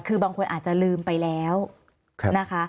คือบางคนอาจจะลืมไปแล้วนะคะ